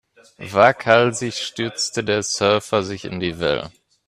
Waghalsig stürzte der Surfer sich in die Wellen.